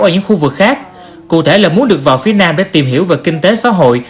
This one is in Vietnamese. ở những khu vực khác cụ thể là muốn được vào phía nam để tìm hiểu về kinh tế xã hội